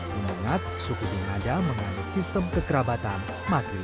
dengan mengat suku di ngada mengalih sistem kekerabatan makrolinial